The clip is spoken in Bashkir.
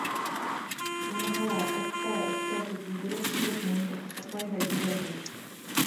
Уныһы ла «әттә, әттә» тип йүгереп килеп муйынды ҡосаҡлай ҙа ебәрмәй.